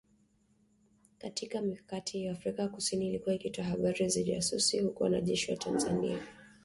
Katika mikakati hiyo, Afrika kusini ilikuwa ikitoa habari za ujasusi huku wanajeshi wa Tanzania